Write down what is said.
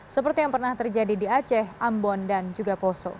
seperti yang pernah terjadi di aceh ambon dan juga poso